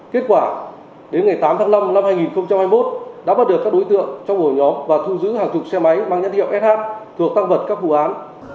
kết quả đến ngày tám tháng năm năm hai nghìn hai mươi một đã bắt được các đối tượng trong ổ nhóm và thu giữ hàng chục xe máy mang nhãn hiệu sh thuộc tăng vật các vụ án